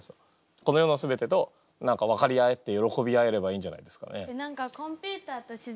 この世の全てと何か分かり合えてよろこび合えればいいんじゃないですかね。